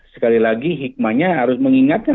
sekali lagi hikmahnya harus mengingatkan